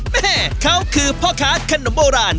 แม่เขาคือพ่อค้าขนมโบราณ